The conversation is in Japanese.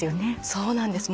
そうなんです。